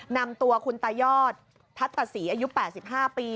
นำตัวคุณตายอดทัตตศรีอายุ๘๕ปี